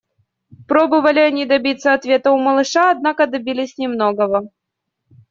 Пробовали они добиться ответа у малыша, однако добились немногого.